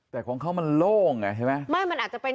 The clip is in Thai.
ถ้าเอาใบต้นมะพร้าวออก